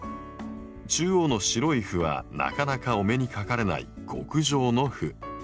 中央の白い斑はなかなかお目にかかれない極上の斑。